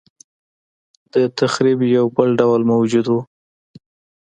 دتخریب یو بل ډول موجود و.